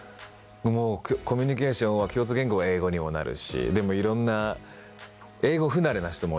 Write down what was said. コミュニケーションは共通言語が英語にもなるしでもいろんな英語不慣れな人もいたり。